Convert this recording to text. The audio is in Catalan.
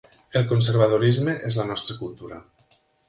El conservadorisme és la nostra cultura.